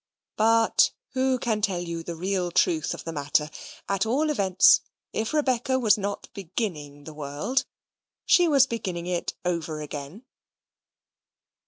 But who can tell you the real truth of the matter? At all events, if Rebecca was not beginning the world, she was beginning it over again.